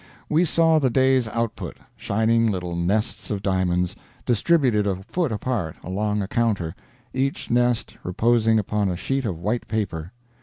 We saw the day's output shining little nests of diamonds, distributed a foot apart, along a counter, each nest reposing upon a sheet of white paper.